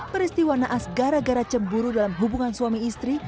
peristiwa naas gara gara cemburu dalam hubungan suami istri